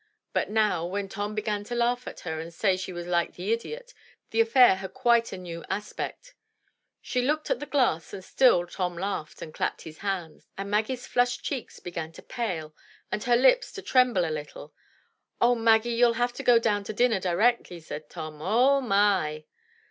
But now, when Tom began to laugh at her and say she was hke the idiot, the affair had quite a new aspect. She looked in the glass and still Tom laughed and clapped his hands, and Maggie*s flushed cheeks began to pale and her lips to tremble a little. "Oh, Maggie, you'll have to go down to dinner directly," said Tom. "Oh, my!"